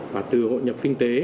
và từ hội nhập kinh tế